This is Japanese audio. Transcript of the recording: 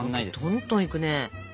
とんとんいくね。